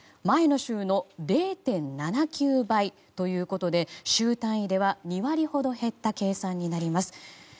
前の週の０．７９倍ということで週単位では２割ほど減った計算になります。